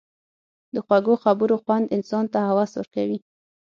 د خوږو خبرو خوند انسان ته هوس ورکوي.